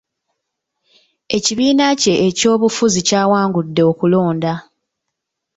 Ekibiina kye eky'obufuzi kyawangudde okulonda.